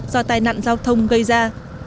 do tai nạn giao thông gây ra